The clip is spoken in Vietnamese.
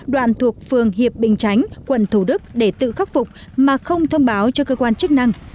đoạn thuộc phường hiệp bình chánh quận thủ đức để tự khắc phục mà không thông báo cho cơ quan chức năng